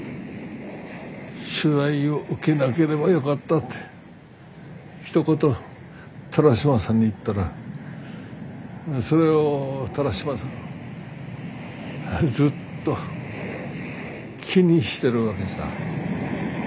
「取材を受けなければよかった」ってひと言田良島さんに言ったらそれを田良島さんずっと気にしてるわけさ。